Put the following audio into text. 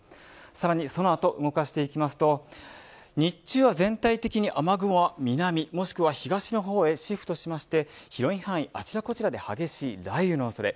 さらに、その後動かしていきますと日中は全体的に雨雲は南もしくは東の方へシフトして広い範囲あちらこちらで雷雨の恐れ。